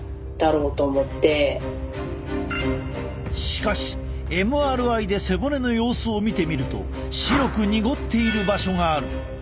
しかしＭＲＩで背骨の様子を見てみると白く濁っている場所がある。